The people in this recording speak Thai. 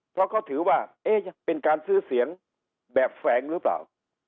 เขาก็ถือว่าเอ๊ะเป็นการซื้อเสียงแบบแฟรงหรือเปล่า